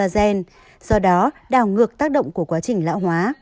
gen do đó đảo ngược tác động của quá trình lão hóa